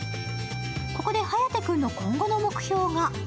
ここで颯君の今後の目標が。